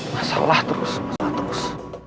masalah terus masalah terus